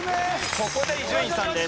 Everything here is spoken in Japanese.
ここで伊集院さんです。